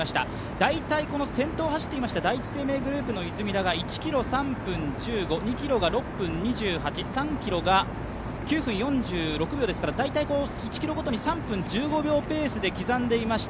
大体、先頭を走っていた第一生命グループの出水田が１ｋｍが約３分、２ｋｍが６分２８３ｋｍが９分４６秒ですから大体１ｋｍごとに３分１５秒ペースで刻んでおりました。